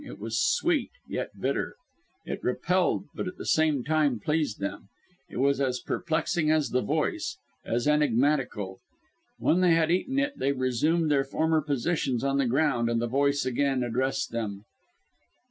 It was sweet yet bitter; it repelled but at the same time pleased them; it was as perplexing as the voice as enigmatical. When they had eaten it they resumed their former positions on the ground, and the voice once again addressed them.